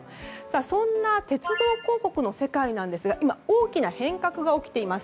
そんな鉄道広告の世界なんですが今、大きな変革が起きています。